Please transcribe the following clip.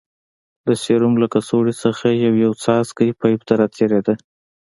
د سيروم له کڅوړې څخه يو يو څاڅکى پيپ ته راتېرېده.